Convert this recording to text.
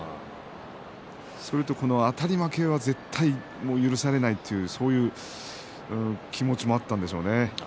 それとあたり負けは絶対に許されないというそういう気持ちもあったんでしょうね。